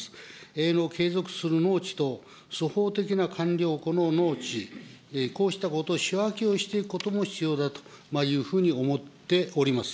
営農を継続する農地と、粗放的な管理を行う農地、こうしたことを仕分けをしていくことも必要だというふうに思っております。